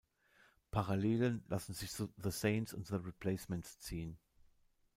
Parallelen lassen sich zu The Saints und The Replacements ziehen.